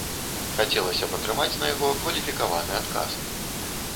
Хацелася б атрымаць на яго кваліфікаваны адказ.